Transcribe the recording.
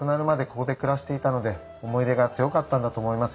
ここで暮らしていたので思い入れが強かったんだと思いますよ。